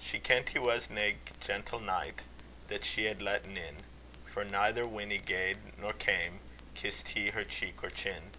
She kent he was nae gentle knight, That she had letten in; For neither when he gaed nor cam', Kissed he her cheek or chin.